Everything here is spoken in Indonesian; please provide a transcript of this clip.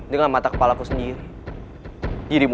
dengan mata kepalaku sendiri